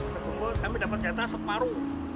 sebungkus kami dapatnya separu